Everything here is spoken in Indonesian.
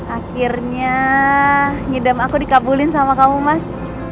akhirnya nyedam aku dikabulin sama kamu mas